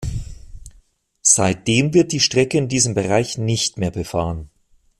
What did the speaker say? Seitdem wird die Strecke in diesem Bereich nicht mehr befahren.